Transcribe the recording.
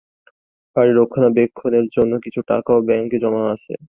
বাড়ির রক্ষণাবেক্ষণের জন্যে কিছু টাকাও ব্যাঙ্কে জমা আছে।